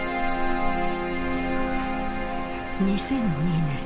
２００２年。